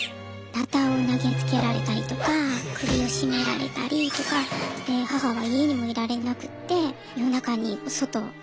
なたを投げつけられたりとか首を絞められたりとか母は家にもいられなくって夜中に外に逃げ出すみたいな。